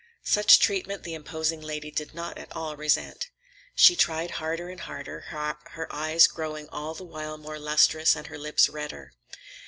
Such treatment the imposing lady did not at all resent. She tried harder and harder, her eyes growing all the while more lustrous and her lips redder.